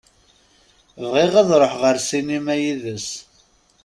Bɣiɣ ad ṛuḥeɣ ar ssinima yid-s.